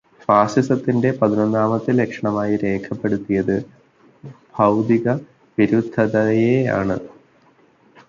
ഫാസിസത്തിന്റെ പതിനൊന്നാമത്തെ ലക്ഷണമായി രേഖപ്പെടുത്തിയത് ബൗദ്ധിക-വിരുദ്ധതയെയാണ്.